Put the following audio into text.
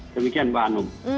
demikian mbak anum